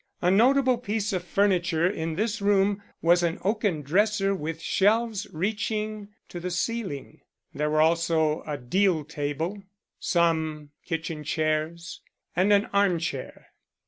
A notable piece of furniture in this room was an oaken dresser with shelves reaching to the ceiling. There were also a deal table, some kitchen chairs, and an arm chair.